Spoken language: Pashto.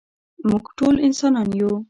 مونږ ټول انسانان يو.